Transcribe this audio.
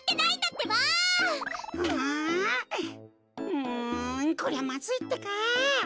うんこりゃまずいってか。